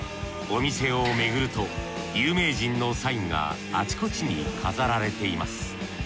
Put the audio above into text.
お店をめぐると有名人のサインがあちこちに飾られています。